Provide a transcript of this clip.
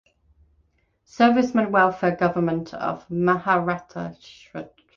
Servicemen Welfare Government of Maharashtra.